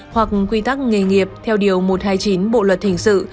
hoặc quy tắc nghề nghiệp theo điều một trăm hai mươi chín bộ luật hình sự